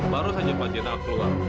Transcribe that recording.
baru saja pak cita keluar